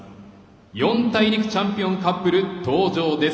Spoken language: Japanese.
四大陸選手権チャンピオンカップル登場です。